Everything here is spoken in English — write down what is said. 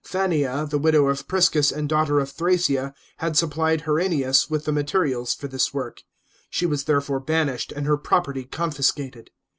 Fannia, the widow of Priscus and daughter of Thrasea, had supplied Herennius with the materials for this work. She was therefore banished, arid her property confiscated.